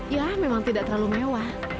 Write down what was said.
ya memang tidak terlalu mewah